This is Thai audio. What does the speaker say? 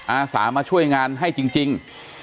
อาสามาช่วยงานให้จริง